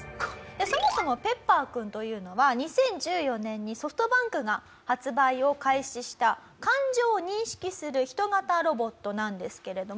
そもそもペッパーくんというのは２０１４年にソフトバンクが発売を開始した感情を認識する人型ロボットなんですけれども。